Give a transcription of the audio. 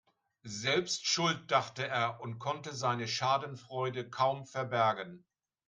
"Selbst schuld", dachte er und konnte seine Schadenfreude kaum verbergen.